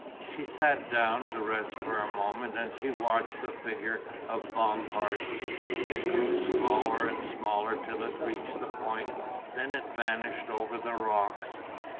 She sat down to rest for a moment and she watched the figure of Bompard. It grew smaller and smaller till it reached the point, then it vanished over the rocks.